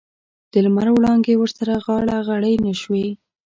د لمر وړانګې ورسره غاړه غړۍ نه شوې.